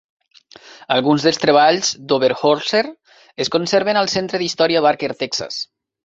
Alguns dels treballs d'Oberholser es conserven al Centre d'Història Barker Texas.